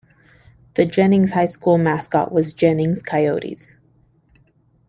The Jennings High School mascot was Jennings Coyotes.